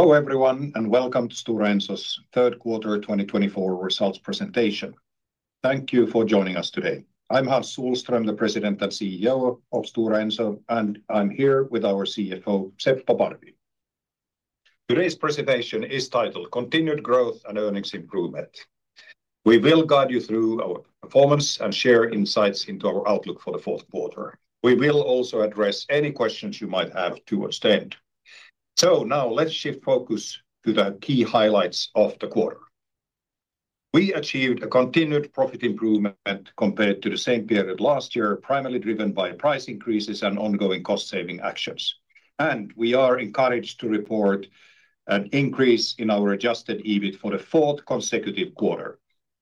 Hello, everyone, and welcome to Stora Enso's third quarter 2024 results presentation. Thank you for joining us today. I'm Hans Sohlström, the President and CEO of Stora Enso, and I'm here with our CFO, Seppo Parvi. Today's presentation is titled Continued Growth and Earnings Improvement. We will guide you through our performance and share insights into our outlook for the fourth quarter. We will also address any questions you might have towards the end, so now let's shift focus to the key highlights of the quarter. We achieved a continued profit improvement compared to the same period last year, primarily driven by price increases and ongoing cost-saving actions, and we are encouraged to report an increase in our Adjusted EBIT for the fourth consecutive quarter.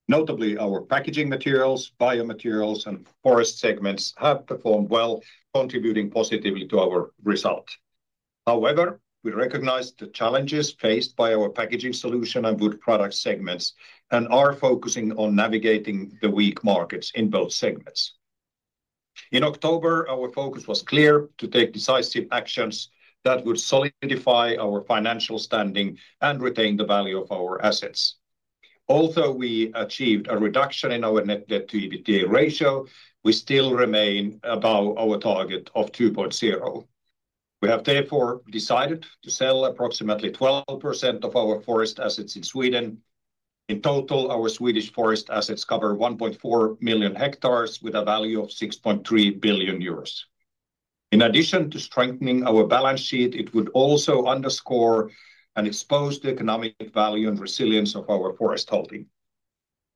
Notably, our packaging materials, biomaterials, and forest segments have performed well, contributing positively to our result. However, we recognize the challenges faced by our packaging solution and wood product segments and are focusing on navigating the weak markets in both segments. In October, our focus was clear: to take decisive actions that would solidify our financial standing and retain the value of our assets. Although we achieved a reduction in our net debt to EBITDA ratio, we still remain above our target of 2.0. We have therefore decided to sell approximately 12% of our forest assets in Sweden. In total, our Swedish forest assets cover 1.4 million hectares with a value of 6.3 billion euros. In addition to strengthening our balance sheet, it would also underscore and expose the economic value and resilience of our forest holding.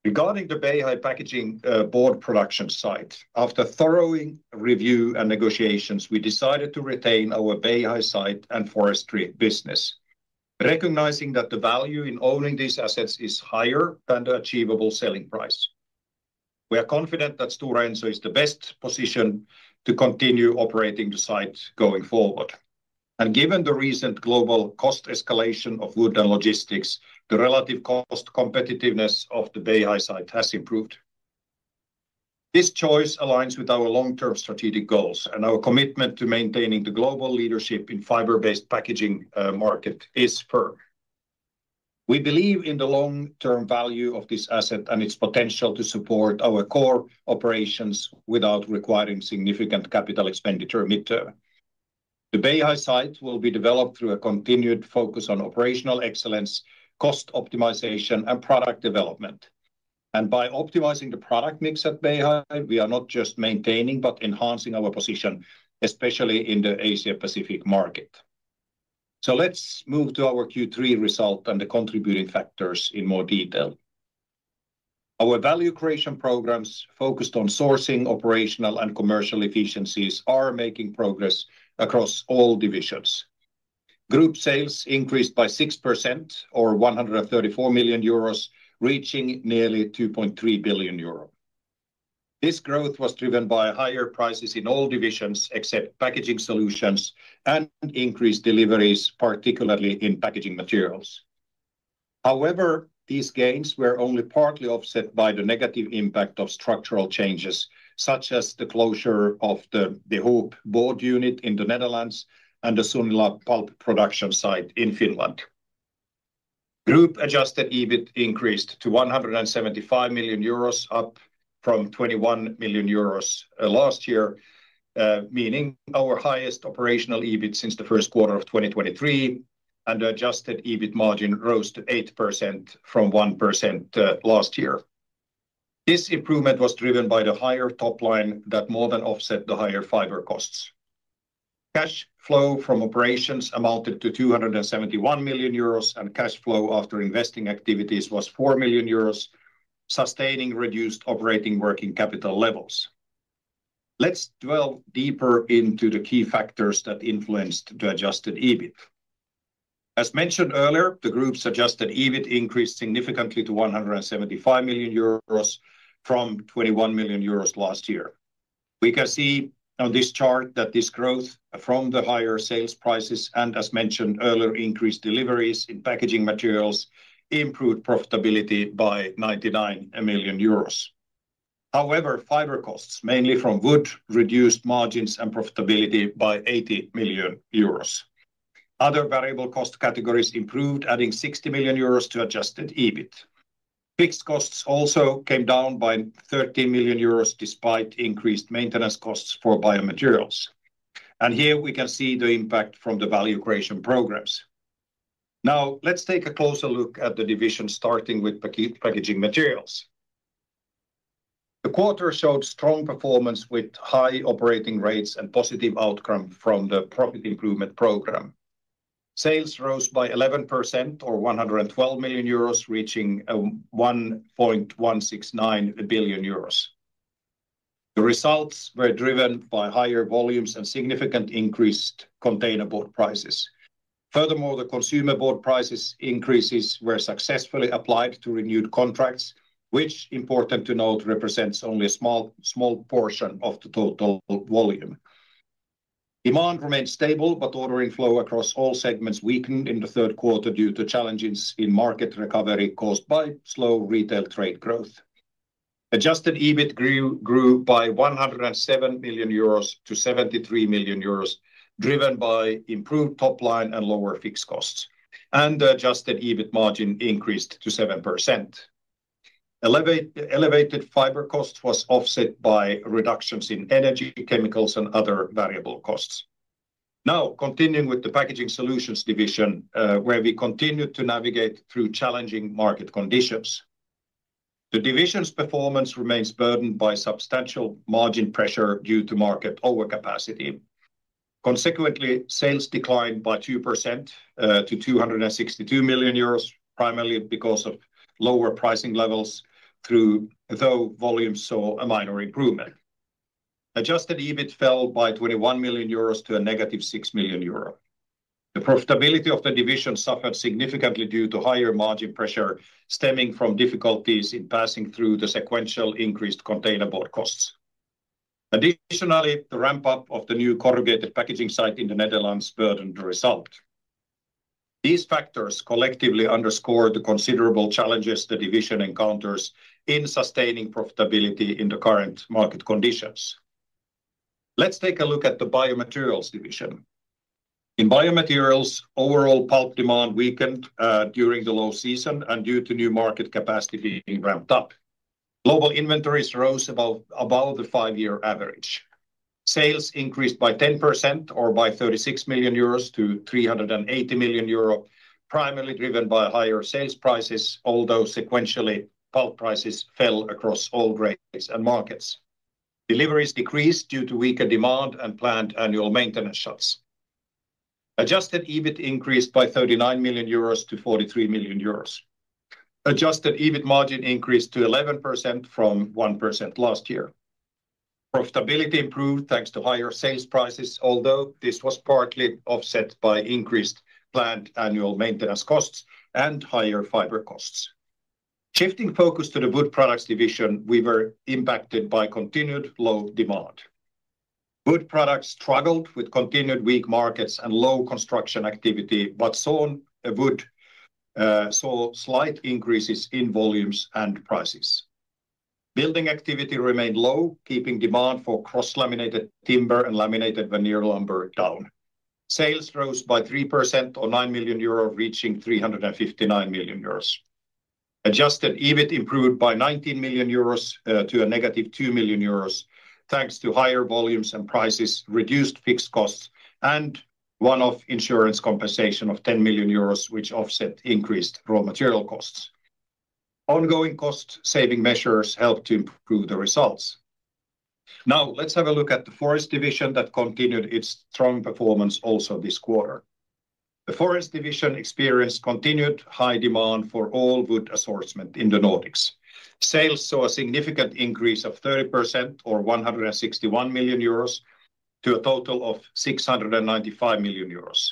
Regarding the Beihai packaging board production site, after thorough review and negotiations, we decided to retain our Beihai site and forestry business, recognizing that the value in owning these assets is higher than the achievable selling price. We are confident that Stora Enso is the best position to continue operating the site going forward, and given the recent global cost escalation of wood and logistics, the relative cost competitiveness of the Beihai site has improved. This choice aligns with our long-term strategic goals, and our commitment to maintaining the global leadership in fiber-based packaging market is firm. We believe in the long-term value of this asset and its potential to support our core operations without requiring significant capital expenditure mid-term. The Beihai site will be developed through a continued focus on operational excellence, cost optimization, and product development. By optimizing the product mix at Beihai, we are not just maintaining, but enhancing our position, especially in the Asia-Pacific market. Let's move to our Q3 result and the contributing factors in more detail. Our value creation programs, focused on sourcing, operational, and commercial efficiencies, are making progress across all divisions. Group sales increased by 6%, or 134 million euros, reaching nearly 2.3 billion euros. This growth was driven by higher prices in all divisions except Packaging Solutions and increased deliveries, particularly in packaging materials. However, these gains were only partly offset by the negative impact of structural changes, such as the closure of the De Hoop board unit in the Netherlands and the Sunila pulp production site in Finland. Group adjusted EBIT increased to 175 million euros, up from 21 million euros last year, meaning our highest operational EBIT since the first quarter of 2023, and the adjusted EBIT margin rose to 8% from 1% last year. This improvement was driven by the higher top line that more than offset the higher fiber costs. Cash flow from operations amounted to 271 million euros, and cash flow after investing activities was 4 million euros, sustaining reduced operating working capital levels. Let's delve deeper into the key factors that influenced the adjusted EBIT. As mentioned earlier, the group's adjusted EBIT increased significantly to 175 million euros from 21 million euros last year. We can see on this chart that this growth from the higher sales prices and, as mentioned earlier, increased deliveries in packaging materials improved profitability by 99 million euros. However, fiber costs, mainly from wood, reduced margins and profitability by 80 million euros. Other variable cost categories improved, adding 60 million euros to Adjusted EBIT. Fixed costs also came down by 30 million euros, despite increased maintenance costs for biomaterials, and here we can see the impact from the value creation programs. Now, let's take a closer look at the division, starting with packaging materials. The quarter showed strong performance with high operating rates and positive outcome from the profit improvement program. Sales rose by 11%, or 112 million euros, reaching 1.169 billion euros. The results were driven by higher volumes and significant increased containerboard prices. Furthermore, the consumer board prices increases were successfully applied to renewed contracts, which, important to note, represents only a small portion of the total volume. Demand remained stable, but ordering flow across all segments weakened in the third quarter due to challenges in market recovery caused by slow retail trade growth. Adjusted EBIT grew by 107 million-73 million euros, driven by improved top line and lower fixed costs, and adjusted EBIT margin increased to 7%. Elevated fiber cost was offset by reductions in energy, chemicals, and other variable costs. Now, continuing with the Packaging Solutions division, where we continue to navigate through challenging market conditions. The division's performance remains burdened by substantial margin pressure due to market overcapacity. Consequently, sales declined by 2%, to 262 million euros, primarily because of lower pricing levels, though volume saw a minor improvement. Adjusted EBIT fell by 21 million euros to a negative 6 million euro. The profitability of the division suffered significantly due to higher margin pressure, stemming from difficulties in passing through the sequential increased containerboard costs. Additionally, the ramp-up of the new corrugated packaging site in the Netherlands burdened the result. These factors collectively underscore the considerable challenges the division encounters in sustaining profitability in the current market conditions. Let's take a look at the Biomaterials division. In Biomaterials, overall pulp demand weakened during the low season and due to new market capacity being ramped up. Global inventories rose above the five-year average. Sales increased by 10%, or by 36 million-380 million euros, primarily driven by higher sales prices, although sequentially, pulp prices fell across all grades and markets. Deliveries decreased due to weaker demand and planned annual maintenance shuts. Adjusted EBIT increased by 39 million-43 million euros. Adjusted EBIT margin increased to 11% from 1% last year. Profitability improved, thanks to higher sales prices, although this was partly offset by increased planned annual maintenance costs and higher fiber costs. Shifting focus to the Wood Products division, we were impacted by continued low demand. Wood Products struggled with continued weak markets and low construction activity, but sawn wood saw slight increases in volumes and prices. Building activity remained low, keeping demand for cross-laminated timber and laminated veneer lumber down. Sales rose by 3% or 9 million euro, reaching 359 million euros. Adjusted EBIT improved by 19 million euros to a negative 2 million euros, thanks to higher volumes and prices, reduced fixed costs, and one-off insurance compensation of 10 million euros, which offset increased raw material costs. Ongoing cost-saving measures helped to improve the results. Now, let's have a look at the Forest Division that continued its strong performance also this quarter. The Forest Division experienced continued high demand for all wood assortment in the Nordics. Sales saw a significant increase of 30% or 161 million euros, to a total of 695 million euros.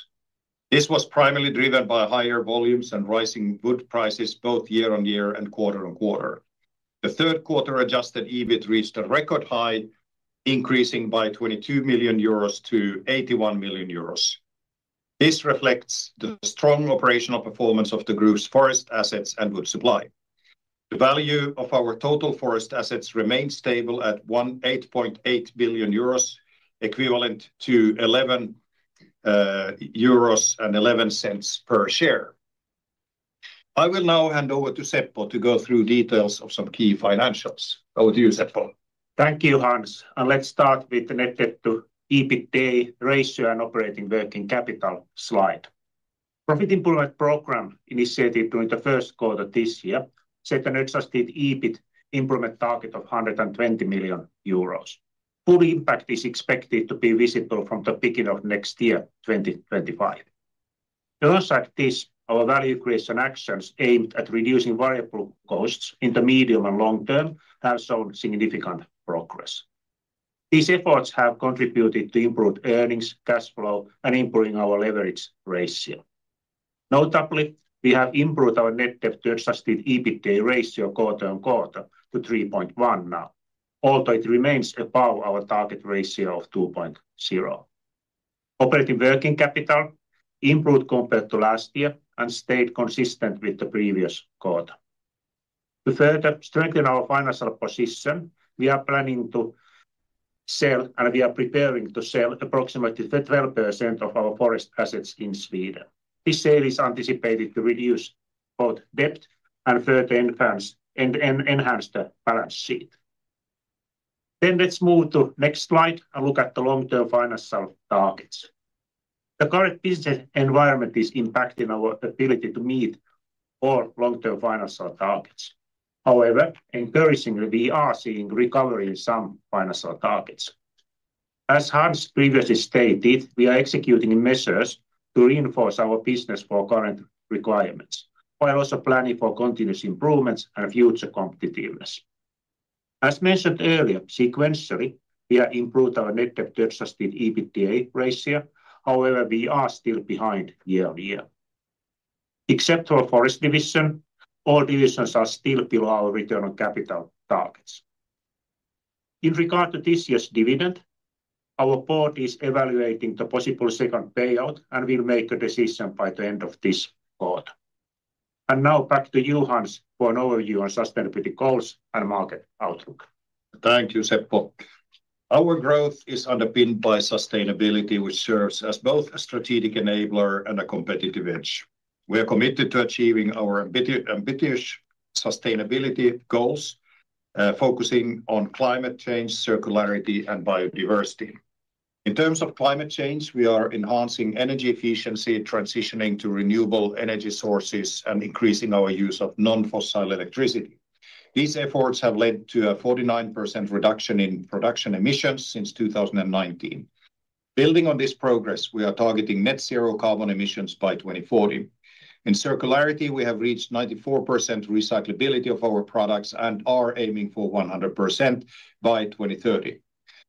This was primarily driven by higher volumes and rising wood prices, both year-on-year and quarter on quarter. The third quarter Adjusted EBIT reached a record high, increasing by 22 millio-EUR 81 million euros. This reflects the strong operational performance of the group's forest assets and wood supply. The value of our total forest assets remains stable at 1.8 billion euros, equivalent to 11.11 euros per share. I will now hand over to Seppo to go through details of some key financials. Over to you, Seppo. Thank you, Hans, and let's start with the net debt to EBITDA ratio and operating working capital slide. Profit improvement program initiated during the first quarter this year set an adjusted EBIT improvement target of 120 million euros. Full impact is expected to be visible from the beginning of next year, 2025. In addition to this, our value creation actions aimed at reducing variable costs in the medium and long term have shown significant progress. These efforts have contributed to improved earnings, cash flow, and improving our leverage ratio. Notably, we have improved our net debt to adjusted EBITDA ratio quarter on quarter to 3.1 now, although it remains above our target ratio of 2.0. Operating working capital improved compared to last year and stayed consistent with the previous quarter. To further strengthen our financial position, we are planning to sell, and we are preparing to sell approximately 13% of our forest assets in Sweden. This sale is anticipated to reduce both debt and further enhance and enhance the balance sheet. Then let's move to next slide and look at the long-term financial targets. The current business environment is impacting our ability to meet all long-term financial targets. However, encouragingly, we are seeing recovery in some financial targets. As Hans previously stated, we are executing measures to reinforce our business for current requirements, while also planning for continuous improvements and future competitiveness. As mentioned earlier, sequentially, we have improved our net debt to Adjusted EBITDA ratio. However, we are still behind year-on-year. Except for Forest Division, all divisions are still below our return on capital targets. In regard to this year's dividend, our board is evaluating the possible second payout, and will make a decision by the end of this quarter. Now back to Hans for an overview on sustainability goals and market outlook. Thank you, Seppo. Our growth is underpinned by sustainability, which serves as both a strategic enabler and a competitive edge. We are committed to achieving our ambitious sustainability goals, focusing on climate change, circularity, and biodiversity. In terms of climate change, we are enhancing energy efficiency, transitioning to renewable energy sources, and increasing our use of non-fossil electricity. These efforts have led to a 49% reduction in production emissions since 2019. Building on this progress, we are targeting net zero carbon emissions by 2040. In circularity, we have reached 94% recyclability of our products and are aiming for 100% by 2030.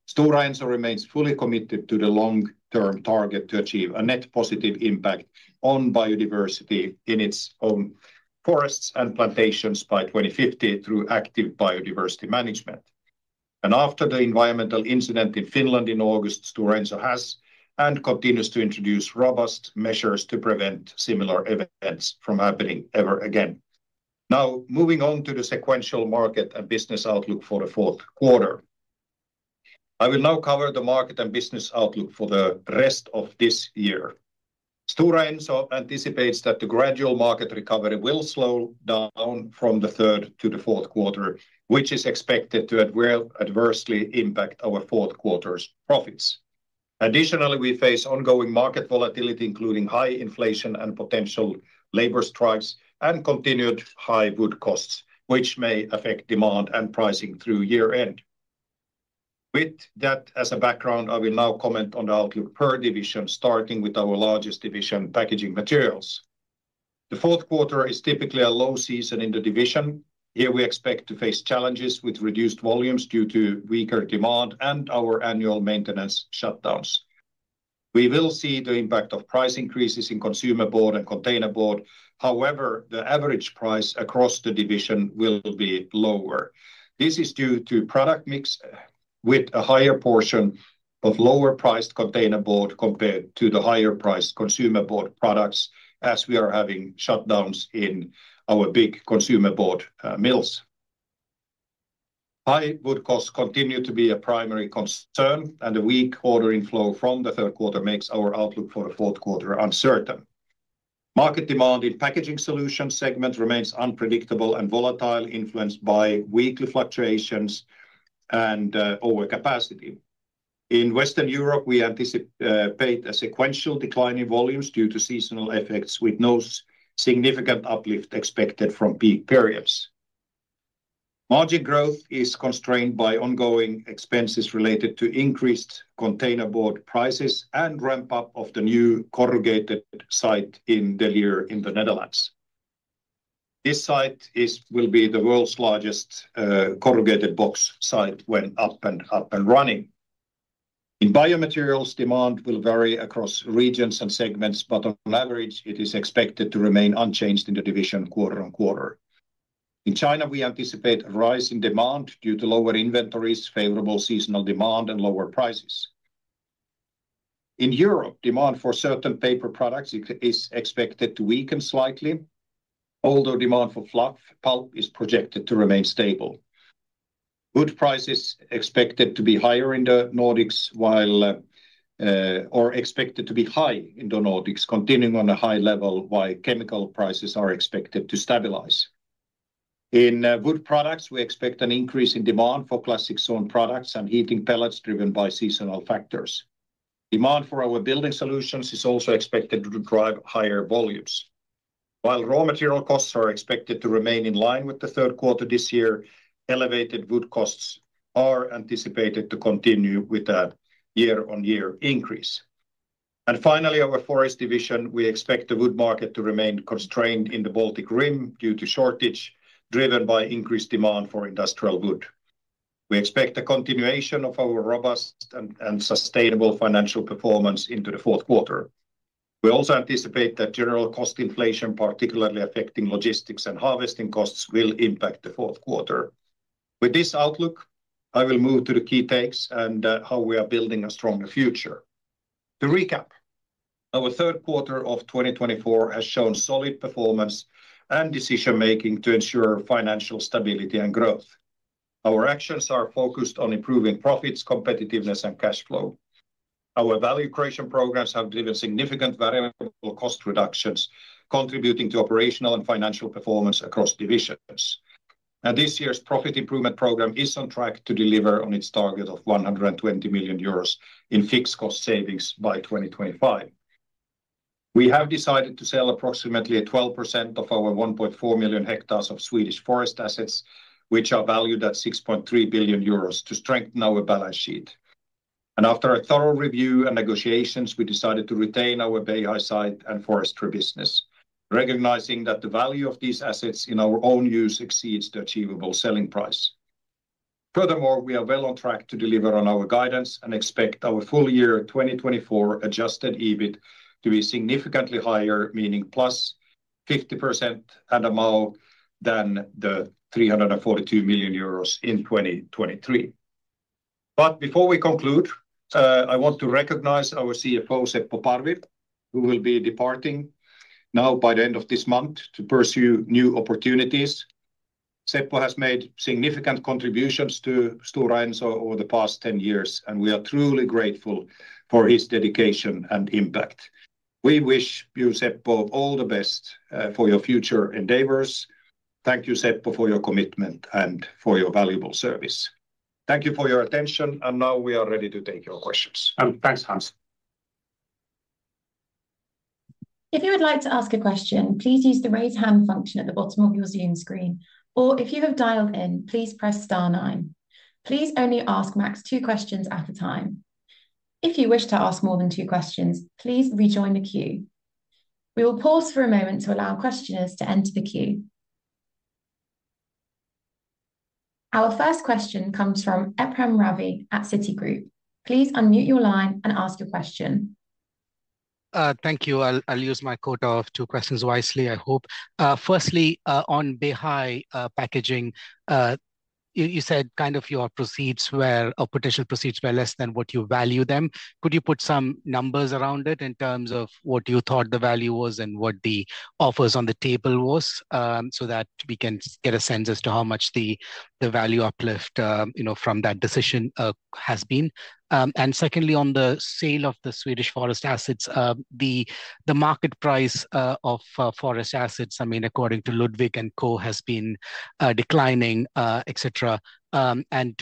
Stora Enso remains fully committed to the long-term target to achieve a net positive impact on biodiversity in its own forests and plantations by 2050 through active biodiversity management. After the environmental incident in Finland in August, Stora Enso has, and continues to introduce robust measures to prevent similar events from happening ever again. Now, moving on to the sequential market and business outlook for the fourth quarter. I will now cover the market and business outlook for the rest of this year. Stora Enso anticipates that the gradual market recovery will slow down from the third to the fourth quarter, which is expected to adversely impact our fourth quarter's profits. Additionally, we face ongoing market volatility, including high inflation and potential labor strikes, and continued high wood costs, which may affect demand and pricing through year-end. With that as a background, I will now comment on the outlook per division, starting with our largest division, Packaging Materials. The fourth quarter is typically a low season in the division. Here, we expect to face challenges with reduced volumes due to weaker demand and our annual maintenance shutdowns. We will see the impact of price increases in consumer board and containerboard. However, the average price across the division will be lower. This is due to product mix, with a higher portion of lower-priced containerboard compared to the higher-priced consumer board products, as we are having shutdowns in our big consumer board mills. High wood costs continue to be a primary concern, and a weak ordering flow from the third quarter makes our outlook for the fourth quarter uncertain. Market demand in Packaging Solutions segment remains unpredictable and volatile, influenced by weekly fluctuations and overcapacity. In Western Europe, we anticipate a sequential decline in volumes due to seasonal effects, with no significant uplift expected from peak periods. Margin growth is constrained by ongoing expenses related to increased containerboard prices and ramp-up of the new corrugated site in De Lier in the Netherlands. This site will be the world's largest corrugated box site when up and running. In Biomaterials, demand will vary across regions and segments, but on average, it is expected to remain unchanged in the division quarter on quarter. In China, we anticipate a rise in demand due to lower inventories, favorable seasonal demand, and lower prices. In Europe, demand for certain paper products is expected to weaken slightly, although demand for fluff pulp is projected to remain stable. Wood price is expected to be higher in the Nordics, while expected to be high in the Nordics, continuing on a high level, while chemical prices are expected to stabilize. In Wood Products, we expect an increase in demand for classic sawn products and heating pellets driven by seasonal factors. Demand for our building solutions is also expected to drive higher volumes. While raw material costs are expected to remain in line with the third quarter this year, elevated wood costs are anticipated to continue with a year-on-year increase, and finally, our Forest division, we expect the wood market to remain constrained in the Baltic Rim due to shortage, driven by increased demand for industrial wood. We expect a continuation of our robust and sustainable financial performance into the fourth quarter. We also anticipate that general cost inflation, particularly affecting logistics and harvesting costs, will impact the fourth quarter. With this outlook, I will move to the key takes and how we are building a stronger future. To recap, our third quarter of 2024 has shown solid performance and decision-making to ensure financial stability and growth. Our actions are focused on improving profits, competitiveness, and cash flow. Our value creation programs have delivered significant variable cost reductions, contributing to operational and financial performance across divisions. Now, this year's profit improvement program is on track to deliver on its target of 120 million euros in fixed cost savings by 2025. We have decided to sell approximately 12% of our 1.4 million hectares of Swedish forest assets, which are valued at 6.3 billion euros, to strengthen our balance sheet. After a thorough review and negotiations, we decided to retain our Beihai site and forestry business, recognizing that the value of these assets in our own use exceeds the achievable selling price. Furthermore, we are well on track to deliver on our guidance and expect our full year 2024 adjusted EBIT to be significantly higher, meaning plus 50% in amount than the 342 million euros in 2023. Before we conclude, I want to recognize our CFO, Seppo Parvi, who will be departing at the end of this month to pursue new opportunities. Seppo has made significant contributions to Stora Enso over the past 10 years, and we are truly grateful for his dedication and impact. We wish you, Seppo, all the best for your future endeavors. Thank you, Seppo, for your commitment and for your valuable service. Thank you for your attention, and now we are ready to take your questions. Thanks, Hans. If you would like to ask a question, please use the raise hand function at the bottom of your Zoom screen. Or if you have dialed in, please press star nine. Please only ask max two questions at a time. If you wish to ask more than two questions, please rejoin the queue. We will pause for a moment to allow questioners to enter the queue. Our first question comes from Ephrem Ravi at Citigroup. Please unmute your line and ask a question. Thank you. I'll use my quota of two questions wisely, I hope. Firstly, on Beihai packaging, you said kind of your proceeds were... or potential proceeds were less than what you value them. Could you put some numbers around it in terms of what you thought the value was and what the offers on the table was, so that we can get a sense as to how much the value uplift, you know, from that decision, has been? And secondly, on the sale of the Swedish forest assets, the market price of forest assets, I mean, according to Ludvig & Co, has been declining, et cetera. And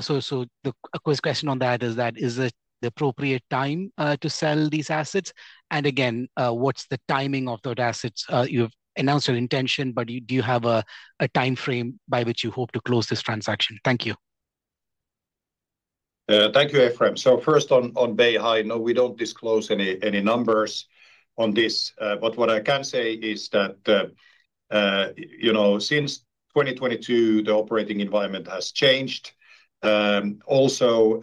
so the quick question on that is that is it the appropriate time to sell these assets? Again, what's the timing of those assets? You've announced an intention, but do you have a timeframe by which you hope to close this transaction? Thank you. Thank you, Ephrem. So first on Beihai, no, we don't disclose any numbers on this. But what I can say is that, you know, since 2022, the operating environment has changed. Also,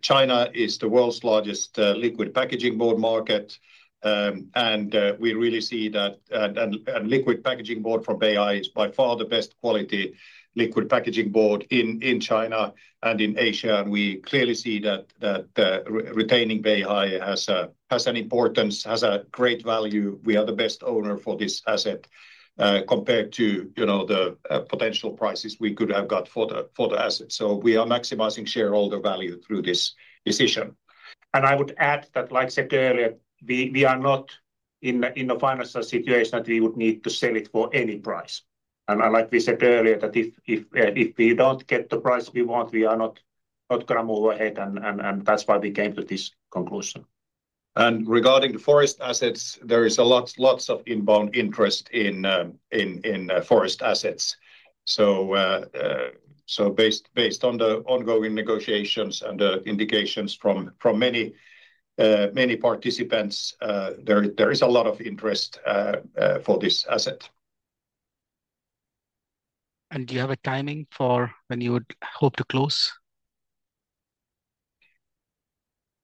China is the world's largest liquid packaging board market. And we really see that, and liquid packaging board from Beihai is by far the best quality liquid packaging board in China and in Asia. And we clearly see that retaining Beihai has an importance, has a great value. We are the best owner for this asset, compared to, you know, the potential prices we could have got for the asset. So we are maximizing shareholder value through this decision. And I would add that, like said earlier, we are not in a financial situation that we would need to sell it for any price. And like we said earlier, that if we don't get the price we want, we are not gonna move ahead, and that's why we came to this conclusion. And regarding the forest assets, there is lots of inbound interest in forest assets. So based on the ongoing negotiations and indications from many participants, there is a lot of interest for this asset. Do you have a timing for when you would hope to close?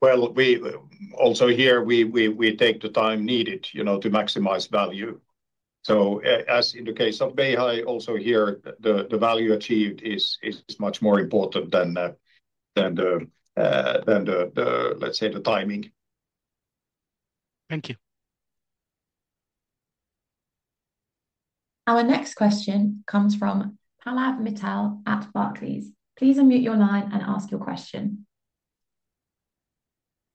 Also here, we take the time needed, you know, to maximize value. So as in the case of Beihai, also here, the value achieved is much more important than, let's say, the timing. Thank you. Our next question comes from Pallav Mittal at Barclays. Please unmute your line and ask your question.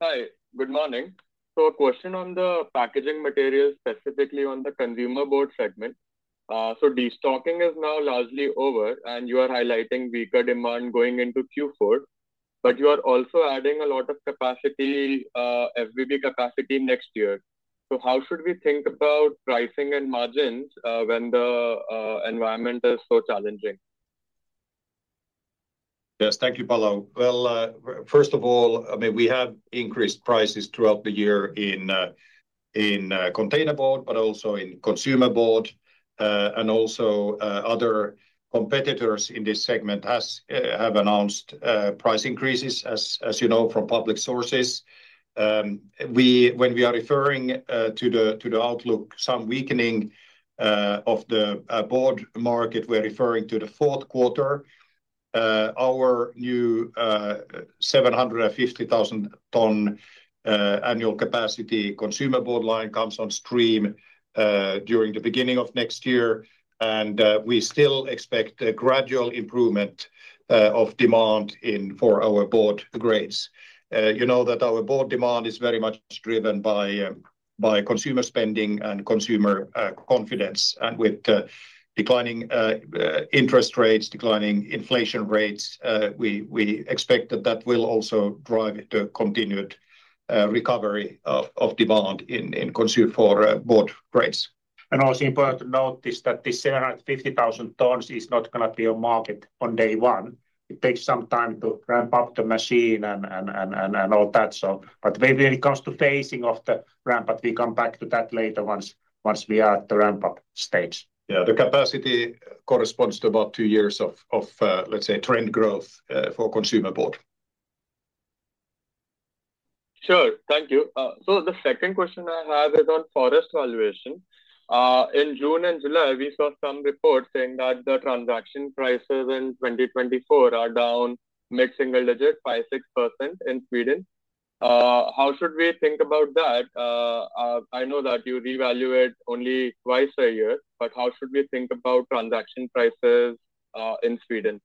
Hi, good morning. So a question on the packaging material, specifically on the consumer board segment. So destocking is now largely over, and you are highlighting weaker demand going into Q4, but you are also adding a lot of capacity, FBB capacity next year. So how should we think about pricing and margins, when the environment is so challenging? Yes, thank you, Pallav. Well, first of all, I mean, we have increased prices throughout the year in container board, but also in consumer board. And also, other competitors in this segment have announced price increases, as you know, from public sources. When we are referring to the outlook, some weakening of the board market, we're referring to the fourth quarter. Our new 700 and 50,000 ton annual capacity consumer board line comes on stream during the beginning of next year. And we still expect a gradual improvement of demand in for our board grades. You know that our board demand is very much driven by consumer spending and consumer confidence. With declining interest rates, declining inflation rates, we expect that will also drive the continued recovery of demand in consumer board grades. And also important to note is that this 750,000 tons is not gonna be on market on day one. It takes some time to ramp up the machine and all that, so. But when it comes to phasing of the ramp-up, we come back to that later once we are at the ramp-up stage. Yeah, the capacity corresponds to about two years of, let's say, trend growth for consumer board.... Sure. Thank you. So the second question I have is on forest valuation. In June and July, we saw some reports saying that the transaction prices in 2024 are down mid-single digit, 5%-6% in Sweden. I know that you reevaluate only twice a year, but how should we think about transaction prices in Sweden?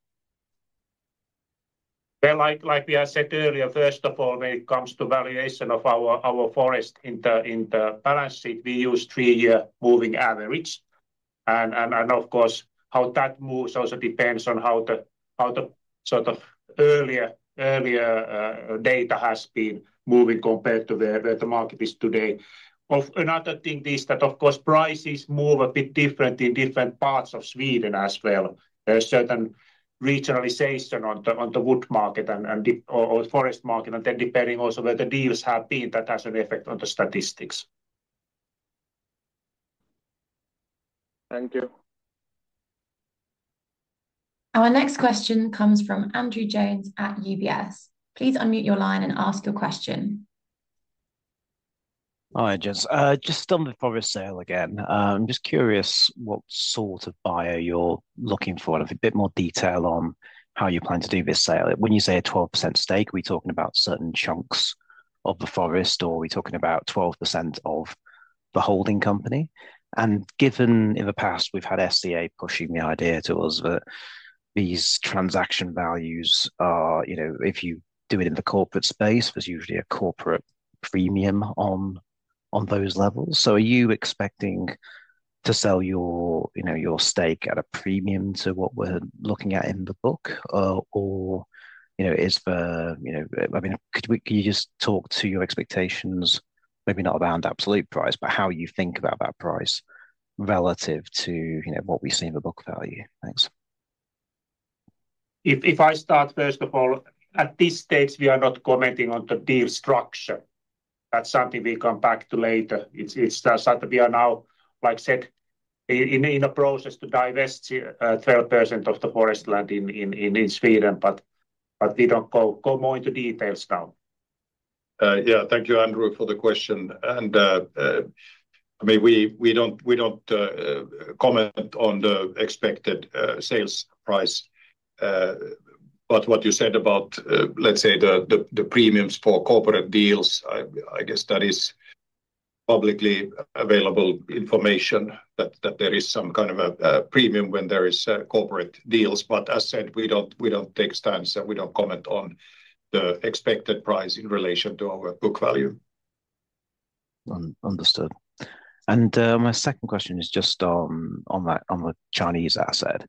Like we have said earlier, first of all, when it comes to valuation of our forest in the balance sheet, we use three-year moving average. Of course, how that moves also depends on how the sort of earlier data has been moving compared to where the market is today. Another thing is that, of course, prices move a bit different in different parts of Sweden as well. There are certain regionalization on the wood market and the or forest market, and then depending also where the deals have been, that has an effect on the statistics. Thank you. Our next question comes from Andrew Jones at UBS. Please unmute your line and ask your question. Hi, gents. Just on the forest sale again, I'm just curious what sort of buyer you're looking for and a bit more detail on how you plan to do this sale. When you say a 12% stake, are we talking about certain chunks of the forest, or are we talking about 12% of the holding company? And given in the past, we've had SCA pushing the idea to us that these transaction values are, you know, if you do it in the corporate space, there's usually a corporate premium on those levels. So are you expecting to sell your, you know, your stake at a premium to what we're looking at in the book? You know, I mean, can you just talk to your expectations, maybe not around absolute price, but how you think about that price relative to, you know, what we see in the book value? Thanks. If I start, first of all, at this stage, we are not commenting on the deal structure. That's something we come back to later. It's that we are now, like I said, in a process to divest 12% of the forest land in Sweden, but we don't go more into details now. Yeah, thank you, Andrew, for the question. And, I mean, we don't comment on the expected sales price. But what you said about, let's say, the premiums for corporate deals, I guess that is publicly available information that there is some kind of a premium when there is corporate deals. But as said, we don't take stands, and we don't comment on the expected price in relation to our book value. Understood. And, my second question is just on that, on the Chinese asset.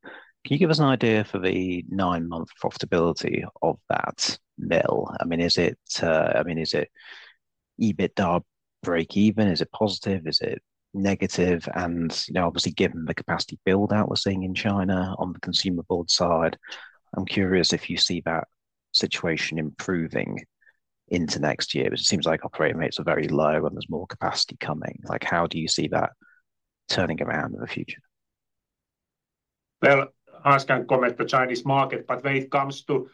Can you give us an idea for the nine-month profitability of that mill? I mean, is it... I mean, is it EBITDA break even? Is it positive? Is it negative? And, you know, obviously, given the capacity build-out we're seeing in China on the consumer board side, I'm curious if you see that situation improving into next year. But it seems like operating rates are very low, and there's more capacity coming. Like, how do you see that turning around in the future? I can't comment the Chinese market, but when it comes to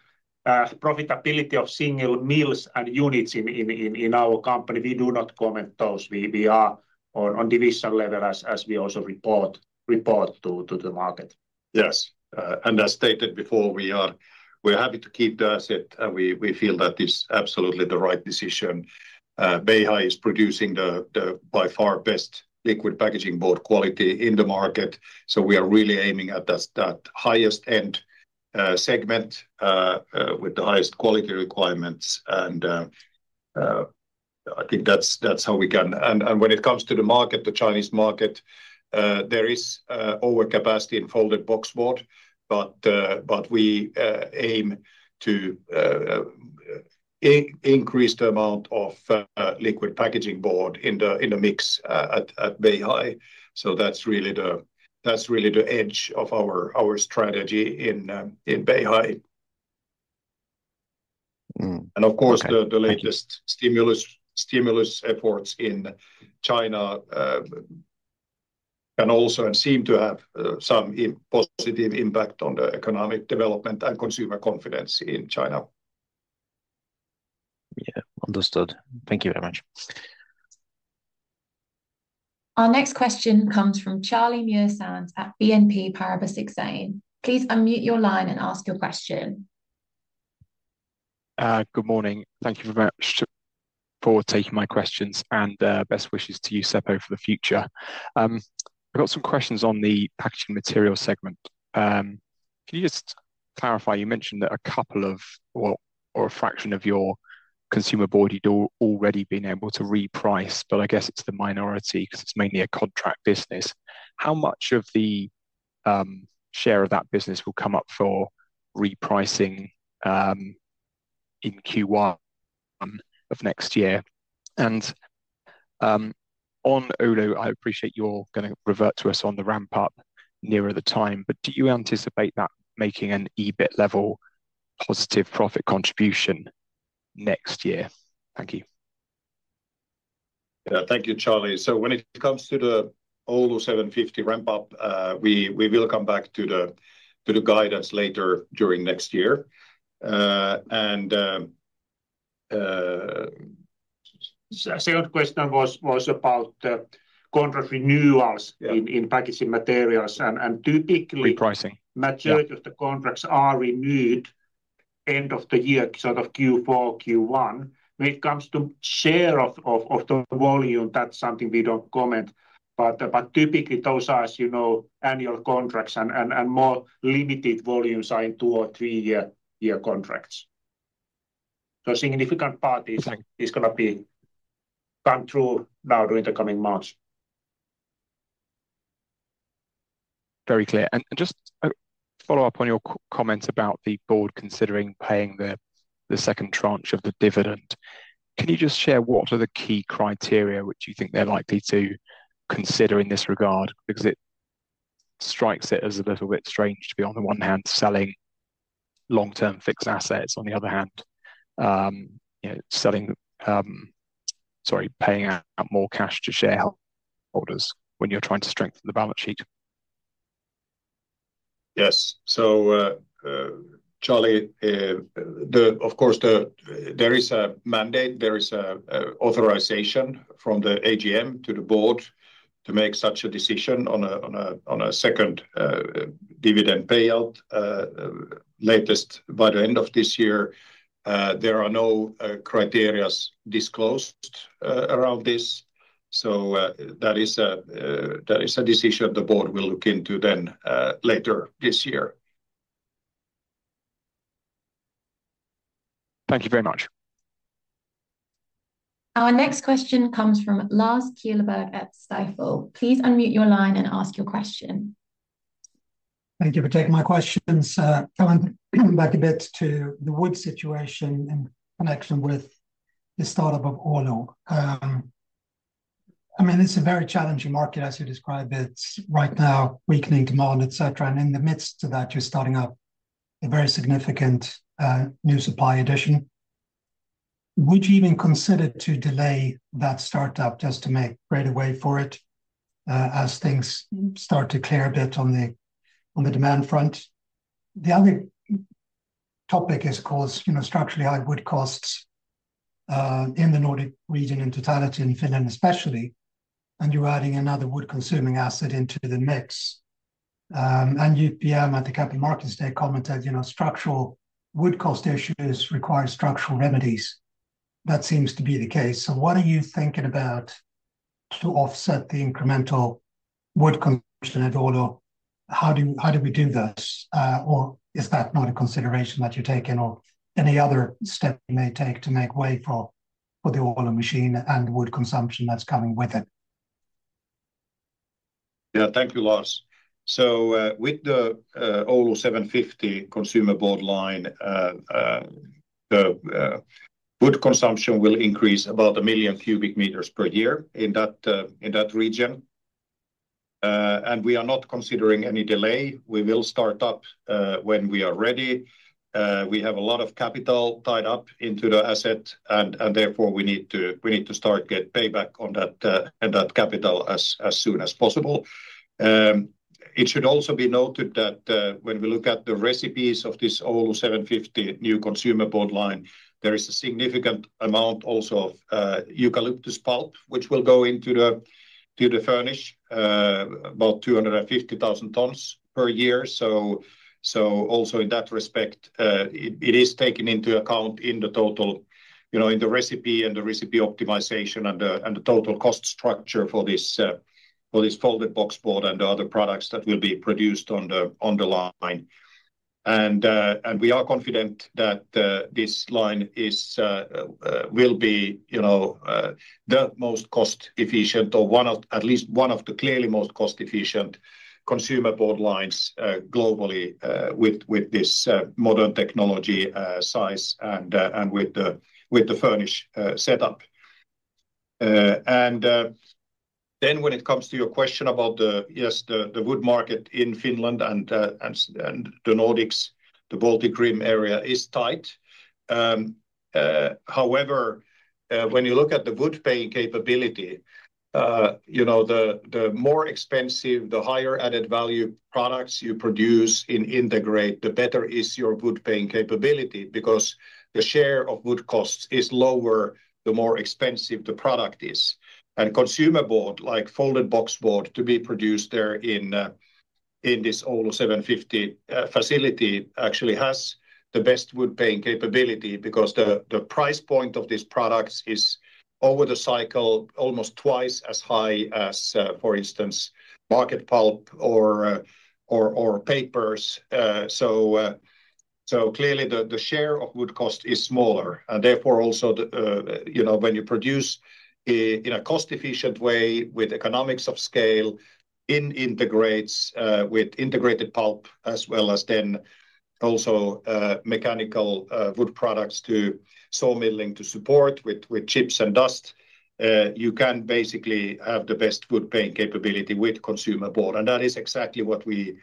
profitability of single mills and units in our company, we do not comment those. We are on division level as we also report to the market. Yes, and as stated before, we are happy to keep the asset, and we feel that it's absolutely the right decision. Beihai is producing the by far best liquid packaging board quality in the market, so we are really aiming at that highest end segment with the highest quality requirements. And I think that's how we can... And when it comes to the market, the Chinese market, there is overcapacity in folded boxboard, but we aim to increase the amount of liquid packaging board in the mix at Beihai. So that's really the edge of our strategy in Beihai. Mm-hmm. Okay. Of course, the latest stimulus efforts in China can also and seem to have some positive impact on the economic development and consumer confidence in China. Yeah, understood. Thank you very much. Our next question comes from Charlie Muir-Sands at BNP Paribas Exane. Please unmute your line and ask your question. Good morning. Thank you very much for taking my questions, and best wishes to you, Seppo, for the future. I've got some questions on the packaging material segment. Can you just clarify, you mentioned that a couple of, well, or a fraction of your consumer board, you'd already been able to reprice, but I guess it's the minority, 'cause it's mainly a contract business. How much of the share of that business will come up for repricing in Q1 of next year? And on Oulu, I appreciate you're going to revert to us on the ramp up nearer the time, but do you anticipate that making an EBIT level positive profit contribution next year? Thank you.... Yeah, thank you, Charlie. So when it comes to the Oulu 750 ramp up, we will come back to the guidance later during next year. And second question was about the contract renewals- Yeah in packaging materials. And typically- Repricing, yeah Majority of the contracts are renewed end of the year, sort of Q4, Q1. When it comes to share of the volume, that's something we don't comment, but typically, those are, as you know, annual contracts and more limited volumes are in two or three year contracts. So a significant part is- Thank you... is gonna come through now during the coming months. Very clear. And just a follow-up on your comment about the board considering paying the second tranche of the dividend. Can you just share what are the key criteria which you think they're likely to consider in this regard? Because it strikes me as a little bit strange to be, on the one hand, selling long-term fixed assets, on the other hand, you know, paying out more cash to shareholders when you're trying to strengthen the balance sheet. Yes. So, Charlie, of course, there is a mandate, an authorization from the AGM to the board to make such a decision on a second dividend payout, latest by the end of this year. There are no criteria disclosed around this, so that is a decision the board will look into then, later this year. Thank you very much. Our next question comes from Lars Kjellberg at Stifel. Please unmute your line and ask your question. Thank you for taking my questions. Coming back a bit to the wood situation in connection with the startup of Oulu. I mean, it's a very challenging market, as you described it. Right now, weakening demand, et cetera, and in the midst of that, you're starting up a very significant new supply addition. Would you even consider to delay that startup just to make right away for it as things start to clear a bit on the demand front? The other topic is, of course, you know, structurally high wood costs in the Nordic region in totality, in Finland especially, and you're adding another wood-consuming asset into the mix. And UPM at the Capital Markets Day commented, you know, structural wood cost issues require structural remedies. That seems to be the case. So what are you thinking about to offset the incremental wood consumption at Oulu? How do you- how do we do that? Or is that not a consideration that you're taking, or any other step you may take to make way for the Oulu machine and wood consumption that's coming with it? Yeah. Thank you, Lars. So, with the Oulu 750 consumer board line, the wood consumption will increase about 1 million cubic meters per year in that region. And we are not considering any delay. We will start up when we are ready. We have a lot of capital tied up into the asset, and therefore, we need to start get payback on that capital as soon as possible. It should also be noted that when we look at the recipes of this Oulu 750 new consumer board line, there is a significant amount also of eucalyptus pulp, which will go into the furnish, about 250,000 tons per year. So also in that respect, it is taken into account in the total. You know, in the recipe and the recipe optimization and the total cost structure for this folded boxboard and the other products that will be produced on the line. And we are confident that this line will be, you know, the most cost-efficient or at least one of the clearly most cost-efficient consumer board lines globally with this modern technology, size and with the furnish setup. And then when it comes to your question about the. Yes, the wood market in Finland and the Nordics, the Baltic Rim area is tight. However, when you look at the wood paying capability, you know, the more expensive the higher added value products you produce and integrate, the better is your wood paying capability, because the share of wood costs is lower, the more expensive the product is. And consumer board, like folded boxboard, to be produced there in this Oulu 750 facility, actually has the best wood paying capability, because the price point of these products is over the cycle almost twice as high as for instance market pulp or papers. Clearly, the share of wood cost is smaller, and therefore, also, you know, when you produce in a cost-efficient way with economies of scale, integrated with integrated pulp, as well as then also, mechanical Wood Products to sawmilling to support with chips and dust, you can basically have the best wood paying capability with consumer board, and that is exactly what we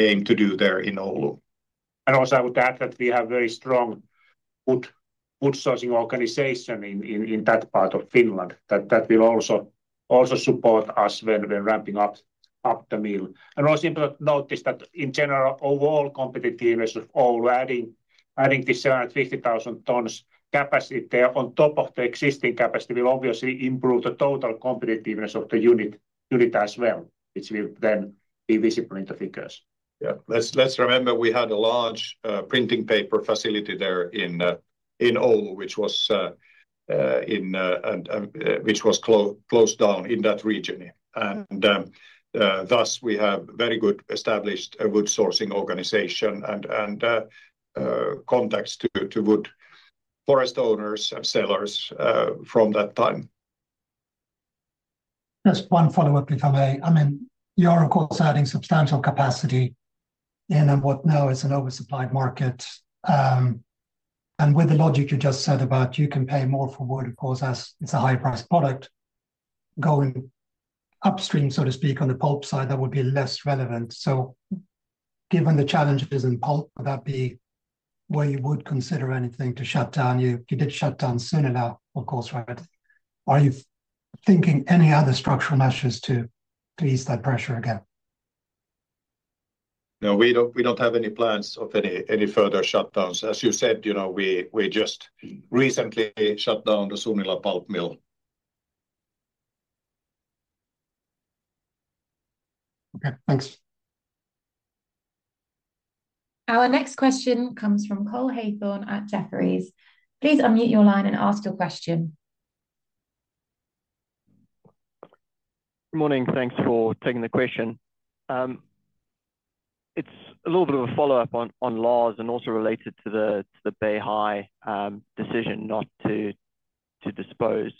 aim to do there in Oulu.... And also, I would add that we have very strong wood sourcing organization in that part of Finland that will also support us when we're ramping up the mill, and also important to note is that in general, overall competitiveness of Oulu adding this 750,000 tons capacity on top of the existing capacity will obviously improve the total competitiveness of the unit as well, which will then be visible in the figures. Yeah. Let's remember we had a large printing paper facility there in Oulu, which was closed down in that region. And thus, we have very good established a wood sourcing organization and contacts to wood forest owners and sellers from that time. Just one follow-up, if I may. I mean, you are, of course, adding substantial capacity in what now is an oversupplied market. And with the logic you just said about you can pay more for wood, of course, as it's a high-priced product. Going upstream, so to speak, on the pulp side, that would be less relevant. So given the challenges in pulp, would that be where you would consider anything to shut down? You did shut down Sunila now, of course, right. Are you thinking any other structural measures to ease that pressure again? No, we don't, we don't have any plans of any, any further shutdowns. As you said, you know, we, we just recently shut down the Sunila pulp mill. Okay, thanks. Our next question comes from Cole Hathorn at Jefferies. Please unmute your line and ask your question. Good morning. Thanks for taking the question. It's a little bit of a follow-up on Lars, and also related to the Beihai decision not to dispose.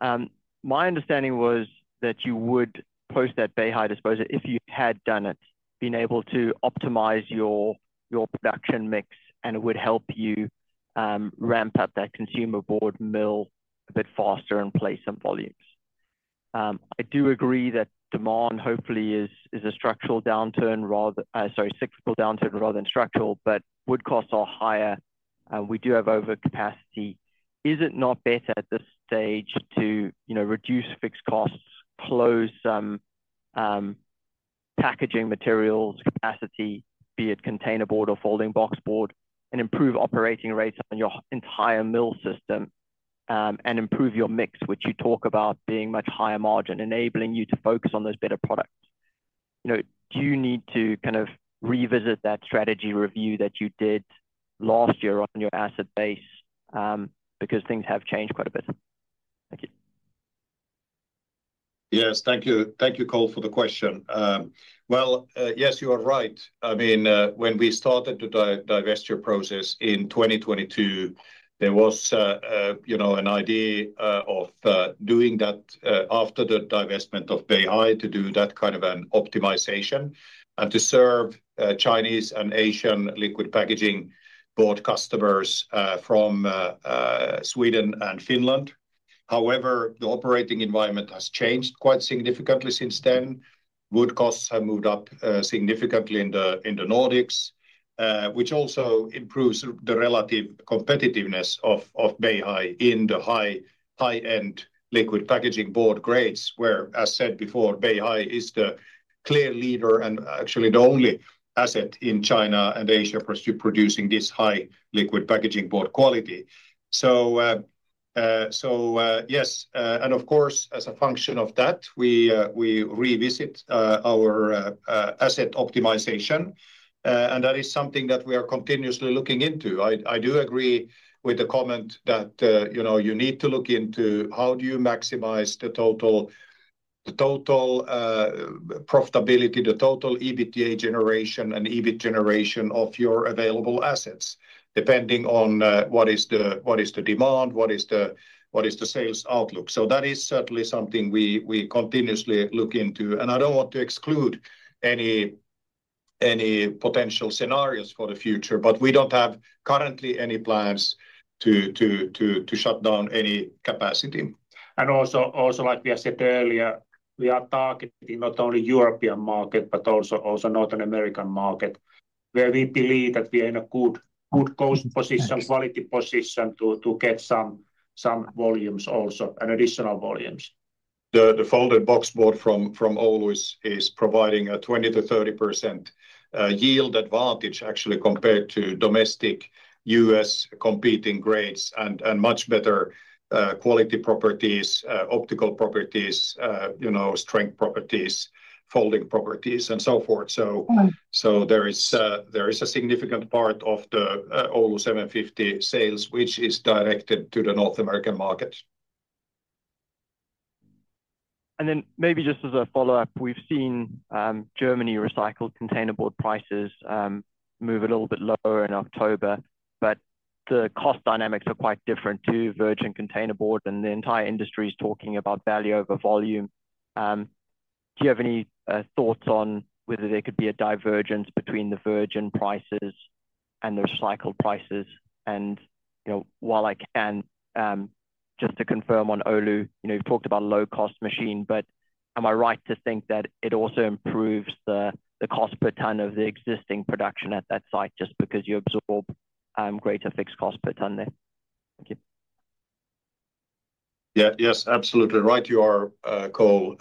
My understanding was that you would post that Beihai disposal, if you had done it, been able to optimize your production mix, and it would help you ramp up that consumer board mill a bit faster and place some volumes. I do agree that demand hopefully is a structural downturn rather. Sorry, cyclical downturn rather than structural, but wood costs are higher, and we do have overcapacity. Is it not better at this stage to, you know, reduce fixed costs, close some, packaging materials capacity, be it containerboard or folding boxboard, and improve operating rates on your entire mill system, and improve your mix, which you talk about being much higher margin, enabling you to focus on those better products? You know, do you need to kind of revisit that strategy review that you did last year on your asset base, because things have changed quite a bit? Thank you. Yes. Thank you. Thank you, Cole, for the question. Well, yes, you are right. I mean, when we started the divestiture process in 2022, there was a, you know, an idea of doing that, after the divestment of Beihai, to do that kind of an optimization, and to serve Chinese and Asian liquid packaging board customers from Sweden and Finland. However, the operating environment has changed quite significantly since then. Wood costs have moved up significantly in the Nordics, which also improves the relative competitiveness of Beihai in the high-end liquid packaging board grades, where, as said before, Beihai is the clear leader and actually the only asset in China and Asia for producing this high liquid packaging board quality. Yes, and of course, as a function of that, we revisit our asset optimization, and that is something that we are continuously looking into. I do agree with the comment that you know, you need to look into how do you maximize the total profitability, the total EBITDA generation and EBIT generation of your available assets, depending on what is the demand, what is the sales outlook. That is certainly something we continuously look into, and I don't want to exclude any potential scenarios for the future, but we don't have currently any plans to shut down any capacity. And also, like we have said earlier, we are targeting not only European market, but also North American market, where we believe that we are in a good cost position, quality position to get some volumes also, and additional volumes. The folded boxboard from Oulu is providing a 20%-30% yield advantage actually, compared to domestic U.S. competing grades and much better quality properties, optical properties, you know, strength properties, folding properties, and so forth. So- Mm-hmm... so there is a significant part of the Oulu 750 sales, which is directed to the North American market. And then maybe just as a follow-up, we've seen Germany recycled containerboard prices move a little bit lower in October, but the cost dynamics are quite different to virgin containerboard, and the entire industry is talking about value over volume. Do you have any thoughts on whether there could be a divergence between the virgin prices and the recycled prices? And, you know, while I can just to confirm on Oulu, you know, you've talked about low-cost machine, but-... Am I right to think that it also improves the cost per ton of the existing production at that site, just because you absorb greater fixed cost per ton there? Thank you. Yeah. Yes, absolutely right you are, Cole.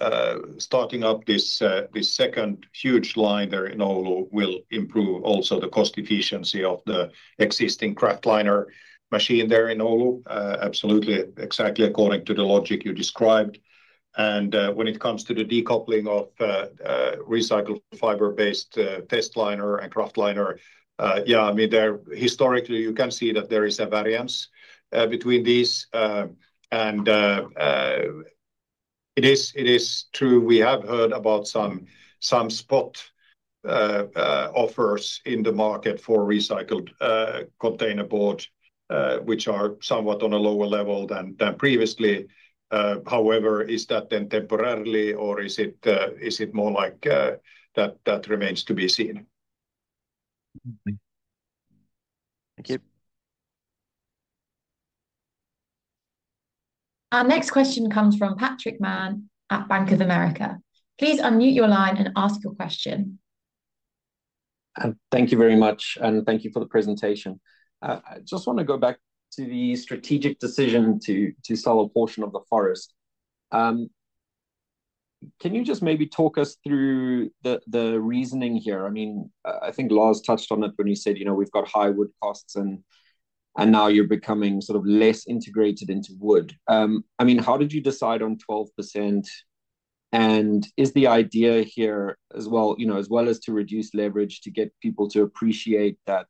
Starting up this second huge line there in Oulu will improve also the cost efficiency of the existing Kraftliner machine there in Oulu. Absolutely, exactly according to the logic you described. And when it comes to the decoupling of recycled fiber-based testliner and Kraftliner, yeah, I mean, historically, you can see that there is a variance between these. And it is true, we have heard about some spot offers in the market for recycled containerboard, which are somewhat on a lower level than previously. However, is that then temporarily, or is it more like that remains to be seen? Thank you. Our next question comes from Patrick Mann at Bank of America. Please unmute your line and ask your question. Thank you very much, and thank you for the presentation. I just want to go back to the strategic decision to sell a portion of the forest. Can you just maybe talk us through the reasoning here? I mean, I think Lars touched on it when he said, "You know, we've got high wood costs," and now you're becoming sort of less integrated into wood. I mean, how did you decide on 12%? And is the idea here, as well, you know, as well as to reduce leverage, to get people to appreciate that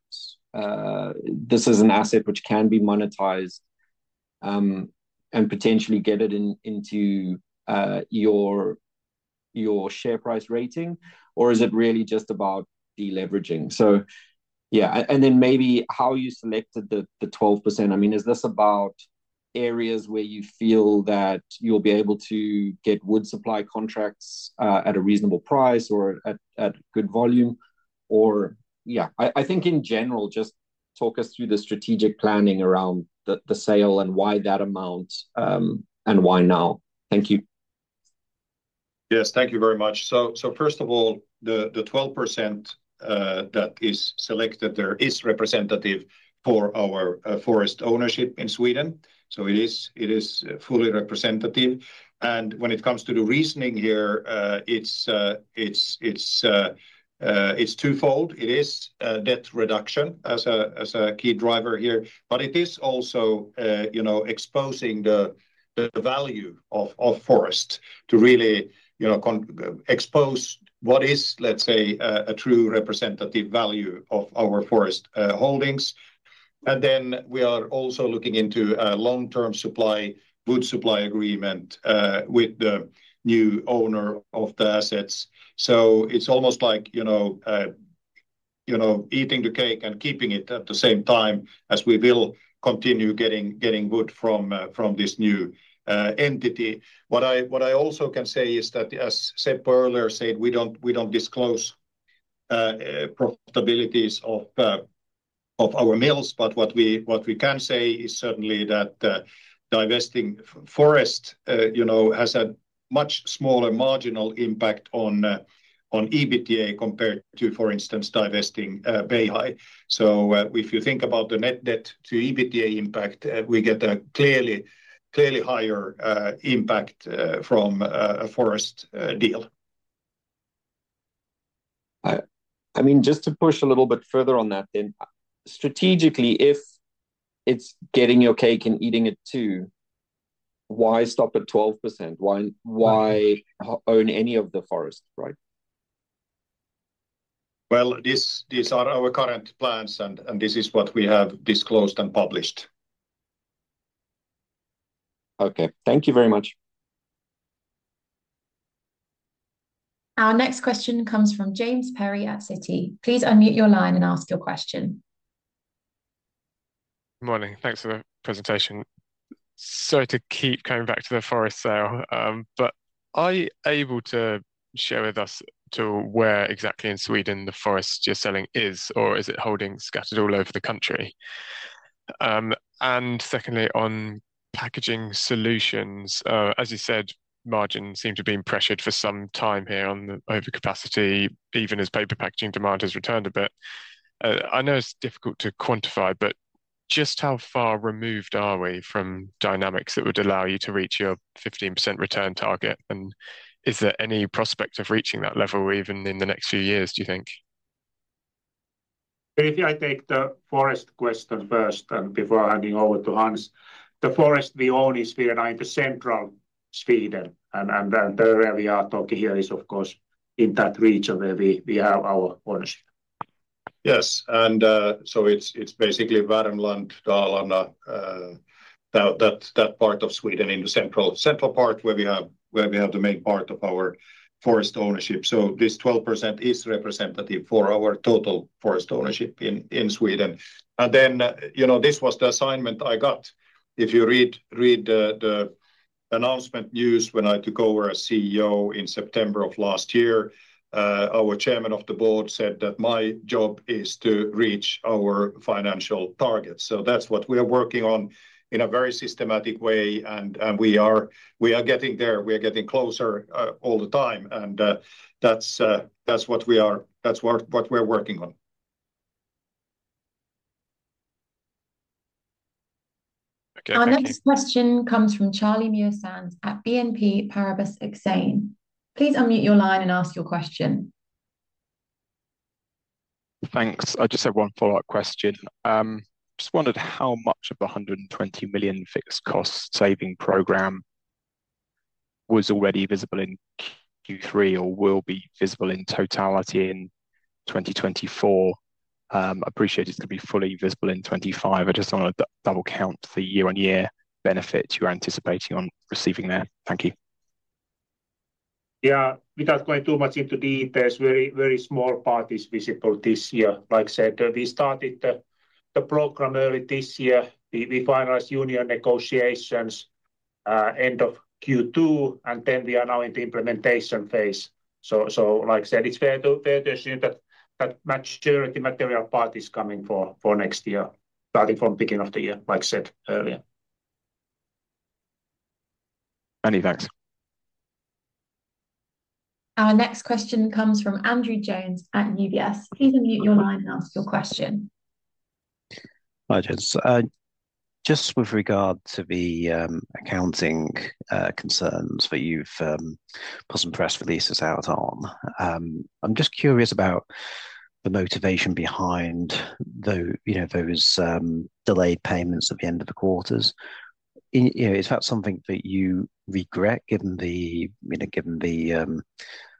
this is an asset which can be monetized, and potentially get it into your share price rating, or is it really just about deleveraging? So, yeah, and then maybe how you selected the 12%. I mean, is this about areas where you feel that you'll be able to get wood supply contracts at a reasonable price or at good volume? Or I think in general, just talk us through the strategic planning around the sale and why that amount and why now. Thank you. Yes, thank you very much. So first of all, the 12% that is selected there is representative for our forest ownership in Sweden, so it is fully representative. And when it comes to the reasoning here, it's twofold. It is debt reduction as a key driver here, but it is also, you know, exposing the value of forest to really, you know, expose what is, let's say, a true representative value of our forest holdings. And then we are also looking into a long-term wood supply agreement with the new owner of the assets. So it's almost like, you know, you know, eating the cake and keeping it at the same time, as we will continue getting wood from this new entity. What I also can say is that, as said earlier, we don't disclose profitabilities of our mills, but what we can say is certainly that divesting forest, you know, has a much smaller marginal impact on EBITDA compared to, for instance, divesting Beihai. So, if you think about the net debt to EBITDA impact, we get a clearly higher impact from a forest deal. I mean, just to push a little bit further on that then, strategically, if it's getting your cake and eating it, too, why stop at 12%? Why own any of the forest, right? These are our current plans, and this is what we have disclosed and published. Okay. Thank you very much. Our next question comes from James Perry at Citi. Please unmute your line and ask your question. Morning. Thanks for the presentation. Sorry to keep coming back to the forest sale. But are you able to share with us to where exactly in Sweden the forest you're selling is, or is it holdings scattered all over the country? And secondly, on Packaging Solutions, as you said, margins seem to have been pressured for some time here on the overcapacity, even as paper packaging demand has returned a bit. I know it's difficult to quantify, but just how far removed are we from dynamics that would allow you to reach your 15% return target? And is there any prospect of reaching that level even in the next few years, do you think? Maybe I take the forest question first, and before handing over to Hans. The forest we own is here now in central Sweden, and the area we are talking here is, of course, in that region where we have our ownership. Yes, and so it's basically Värmland, Dalarna, that part of Sweden in the central part, where we have the main part of our forest ownership. So this 12% is representative for our total forest ownership in Sweden. And then, you know, this was the assignment I got. If you read the announcement news when I took over as CEO in September of last year, our chairman of the board said that my job is to reach our financial targets. So that's what we are working on in a very systematic way, and we are getting there. We are getting closer all the time, and that's what we are. That's what we're working on. ... Our next question comes from Charlie Muir-Sands at BNP Paribas Exane. Please unmute your line and ask your question. Thanks. I just have one follow-up question. Just wondered how much of the 120 million fixed cost saving program was already visible in Q3 or will be visible in totality in 2024? Appreciate it's gonna be fully visible in 2025. I just wanna double count the year-on-year benefit you're anticipating on receiving there. Thank you. Yeah. Without going too much into detail, there's very, very small parties visible this year. Like I said, we started the program early this year. We finalized union negotiations end of Q2, and then we are now in the implementation phase. So, like I said, it's fair to assume that much majority material part is coming for next year, starting from beginning of the year, like I said earlier. Many thanks. Our next question comes from Andrew Jones at UBS. Please unmute your line and ask your question. Hi, gents. Just with regard to the accounting concerns that you've put some press releases out on, I'm just curious about the motivation behind those, you know, delayed payments at the end of the quarters. You know, is that something that you regret, given the, you know, given the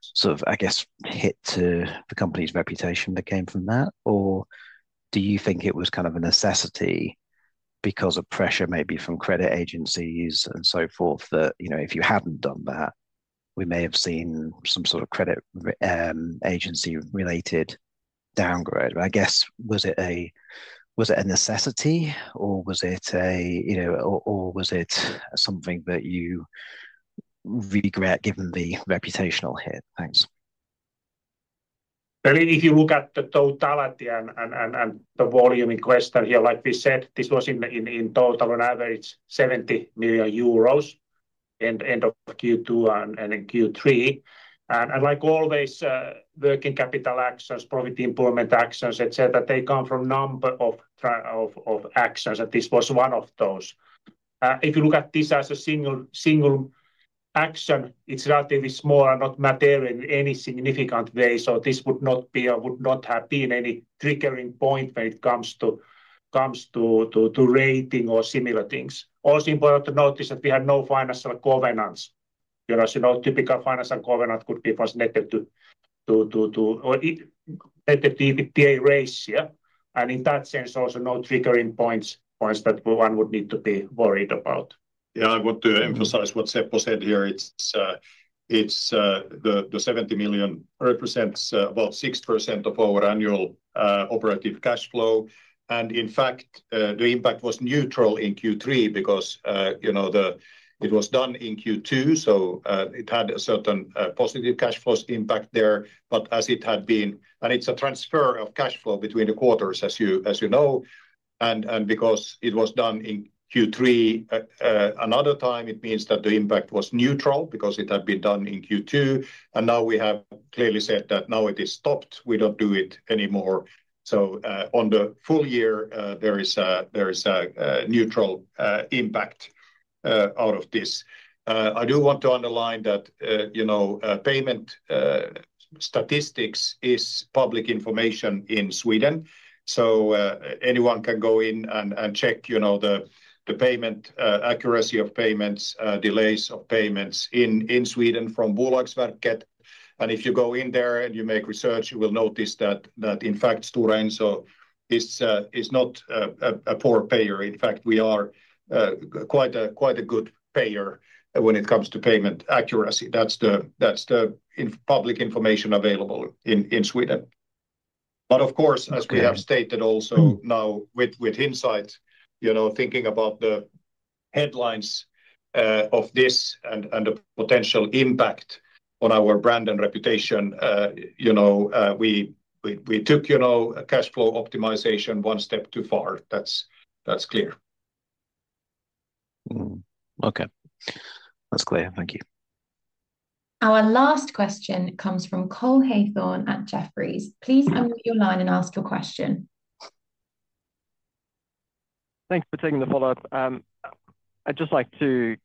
sort of, I guess, hit to the company's reputation that came from that? Or do you think it was kind of a necessity because of pressure maybe from credit agencies and so forth, that, you know, if you hadn't done that, we may have seen some sort of credit rating agency-related downgrade. I guess, was it a necessity, or was it a, you know, or was it something that you really regret given the reputational hit? Thanks. I mean, if you look at the totality and the volume in question here, like we said, this was in total on average 70 million euros, end of Q2 and in Q3. Like always, working capital actions, profit improvement actions, et cetera, they come from number of actions, and this was one of those. If you look at this as a single action, it's relatively small and not material in any significant way, so this would not be or would not have been any triggering point when it comes to rating or similar things. Also important to note is that we had no financial covenants. There was no typical financial covenant could be connected to. Or it affected the EBITDA ratio, and in that sense, also no triggering points, points that one would need to be worried about. Yeah, I want to emphasize what Seppo said here. It's the 70 million represents about 6% of our annual operative cash flow. And in fact, the impact was neutral in Q3 because, you know, it was done in Q2, so it had a certain positive cash flows impact there. But as it had been. And it's a transfer of cash flow between the quarters, as you know, and because it was done in Q3 another time, it means that the impact was neutral because it had been done in Q2. And now we have clearly said that now it is stopped. We don't do it anymore. So, on the full year, there is a neutral impact out of this. I do want to underline that, you know, payment statistics is public information in Sweden, so anyone can go in and check, you know, the payment accuracy of payments, delays of payments in Sweden from Bolagsverket, and if you go in there and you make research, you will notice that in fact Stora Enso is not a poor payer. In fact, we are quite a good payer when it comes to payment accuracy. That's the public information available in Sweden, but of course, as we have stated also now with hindsight, you know, thinking about the headlines of this and the potential impact on our brand and reputation, you know, we took, you know, cash flow optimization one step too far. That's clear. Okay. That's clear. Thank you. Our last question comes from Cole Hathorn at Jefferies. Please unmute your line and ask your question. Thanks for taking the follow-up. I'd just like to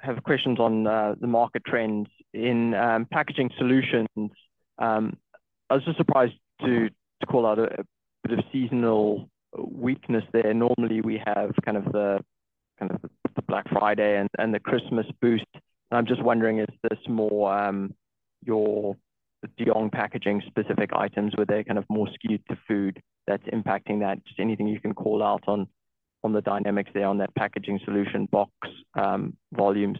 have questions on the market trends in Packaging Solutions. I was just surprised to call out a bit of seasonal weakness there. Normally, we have kind of the Black Friday and the Christmas boost, and I'm just wondering, is this more your De Jong Packaging specific items, where they're kind of more skewed to food that's impacting that? Just anything you can call out on the dynamics there on that packaging solution box volumes.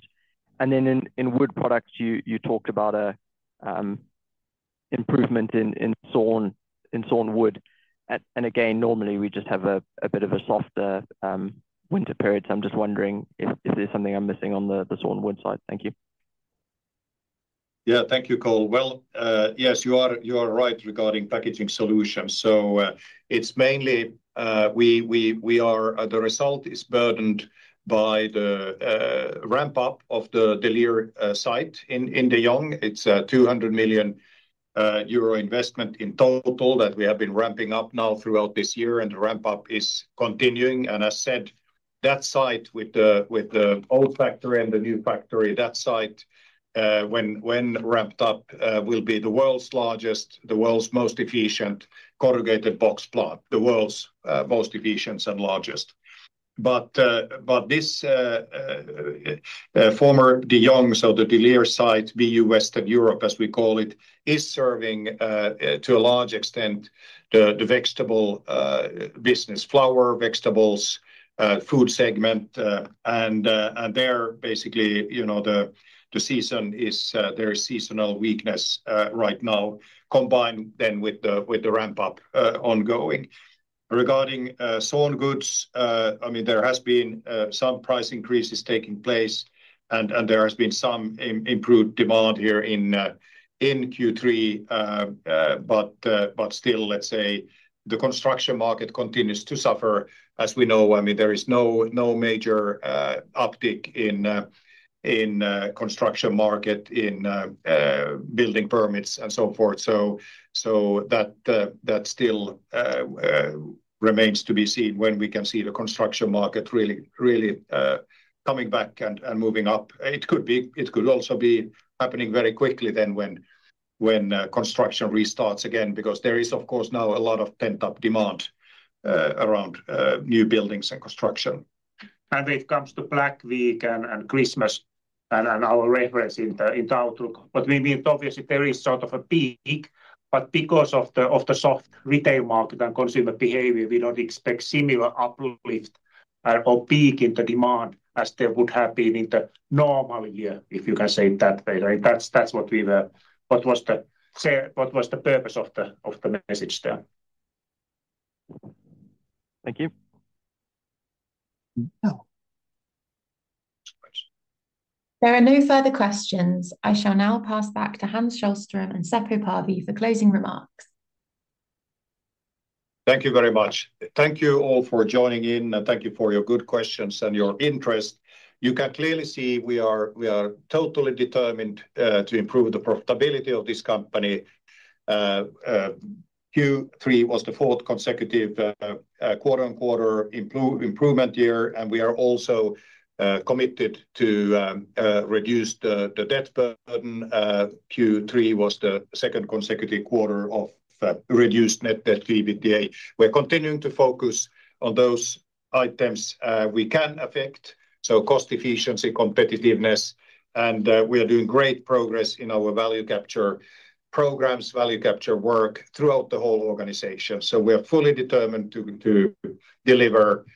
And then in Wood Products, you talked about a improvement in sawn wood. And again, normally we just have a bit of a softer winter period, so I'm just wondering if there's something I'm missing on the sawn wood side. Thank you. Yeah. Thank you, Cole. Well, yes, you are right regarding Packaging Solutions. So, it's mainly. The result is burdened by the ramp up of the De Lier site in De Jong. It's a 200 million euro investment in total that we have been ramping up now throughout this year, and the ramp up is continuing. As said, that site with the old factory and the new factory, that site, when ramped up, will be the world's largest, the world's most efficient corrugated box plant. The world's most efficient and largest. But this former De Jong, so the De Lier site, BU West of Europe, as we call it, is serving to a large extent the vegetable business. Flower, vegetables, food segment, and they're basically, you know, the season is, there is seasonal weakness right now, combined then with the ramp up ongoing. Regarding sawn wood, I mean, there has been some price increases taking place, and there has been some improved demand here in Q3. But still, let's say, the construction market continues to suffer, as we know. I mean, there is no major uptick in construction market, in building permits, and so forth. So that still remains to be seen, when we can see the construction market really coming back and moving up. It could also be happening very quickly then when construction restarts again, because there is, of course, now a lot of pent-up demand around new buildings and construction. When it comes to Black Week and Christmas, and our reference in the outlook, but we mean, obviously, there is sort of a peak, but because of the soft retail market and consumer behavior, we don't expect similar uplift or peak in the demand as there would have been in the normal year, if you can say it that way. Right? That's what we were... What was the say, what was the purpose of the message there. Thank you. Oh. Next question. There are no further questions. I shall now pass back to Hans Sohlström and Seppo Parvi for closing remarks. Thank you very much. Thank you all for joining in, and thank you for your good questions and your interest. You can clearly see we are totally determined to improve the profitability of this company. Q3 was the fourth consecutive quarter-on-quarter improvement year, and we are also committed to reduce the debt burden. Q3 was the second consecutive quarter of reduced net debt to EBITDA. We're continuing to focus on those items we can affect, so cost efficiency, competitiveness, and we are doing great progress in our value capture programs, value capture work throughout the whole organization. So we are fully determined to deliver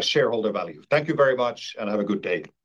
shareholder value. Thank you very much, and have a good day.